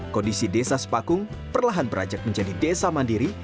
kondisi desa sepakung perlahan berajak menjadi desa mandiri